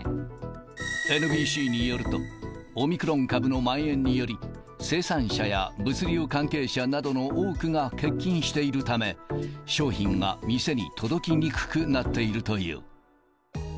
ＮＢＣによると、オミクロン株のまん延により、生産者や物流関係者などの多くが欠勤しているため、商品が店に届きにくくなっているという。